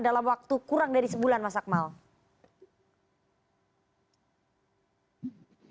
dalam waktu kurang dari sebulan mas akmal